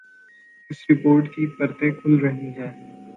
اس report کی پرتیں کھل رہی ہیں۔